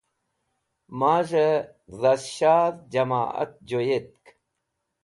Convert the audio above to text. Mazhey Dhas Shadh Jama't Joyetk